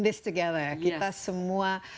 bersama sama kita semua